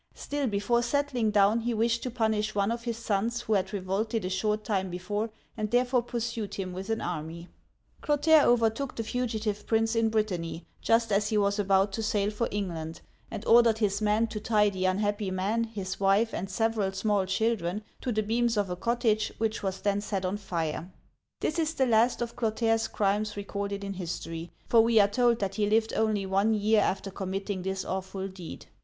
Still, before settling down, he wished to punish one of his sons, who had revolted a short time before, and therefore pursued him with an army. Clotaire overtook the Digitized by Google CLOTAIRE (558 561) 57 fugitive prince in Brittany, just as he was about 10 sail for England, and ordered his men to tie the unhappy man, his wife, and several small children, to the beams of a cottage, which was then set on fire. This is the last of Clotaire*s crimes recorded in history, for we are told that he lived only one year after committing this awful deed.